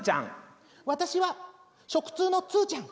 私は食通のツーちゃん。